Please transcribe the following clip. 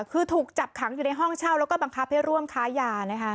คือถูกจับขังอยู่ในห้องเช่าแล้วก็บังคับให้ร่วมค้ายานะคะ